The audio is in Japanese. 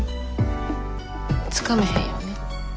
つかめへんよね。